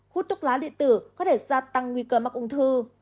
hút thuốc lá điện tử có thể gia tăng nguy cơ mắc ung thư